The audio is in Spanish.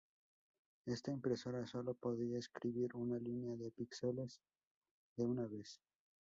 Esta impresora sólo podía escribir una línea de pixels de una vez.